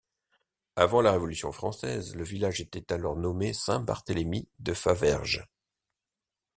Avant la révolution française le village était alors nommé Saint-Barthélémy de Faverges.